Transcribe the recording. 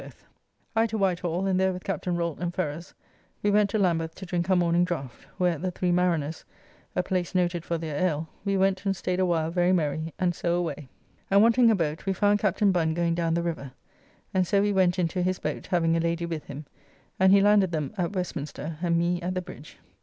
B.] I to Whitehall, and there with Captain Rolt and Ferrers we went to Lambeth to drink our morning draft, where at the Three Mariners, a place noted for their ale, we went and staid awhile very merry, and so away. And wanting a boat, we found Captain Bun going down the river, and so we went into his boat having a lady with him, and he landed them at Westminster and me at the Bridge.